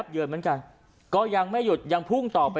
ก็แค่มีเรื่องเดียวให้มันพอแค่นี้เถอะ